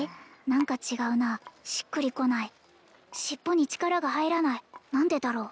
何か違うなしっくりこない尻尾に力が入らない何でだろう